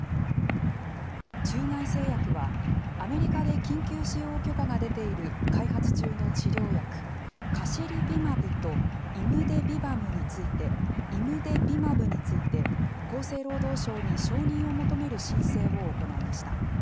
中外製薬は、アメリカで緊急使用許可が出ている開発中の治療薬、カシリビマブとイムデビマブについて、厚生労働省に承認を求める申請を行いました。